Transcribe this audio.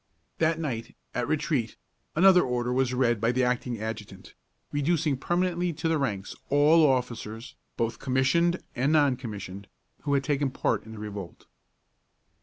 That night, at retreat, another order was read by the acting adjutant, reducing permanently to the ranks all officers, both commissioned and non commissioned, who had taken part in the revolt.